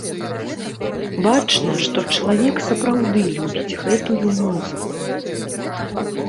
Бачна, што чалавек сапраўды любіць гэтую музыку.